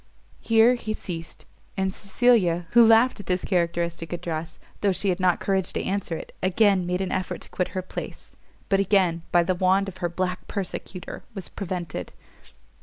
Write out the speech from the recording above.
Here he ceased: and Cecilia, who laughed at this characteristic address, though she had not courage to answer it, again made an effort to quit her place, but again by the wand of her black persecutor was prevented.